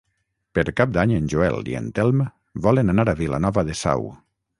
Per Cap d'Any en Joel i en Telm volen anar a Vilanova de Sau.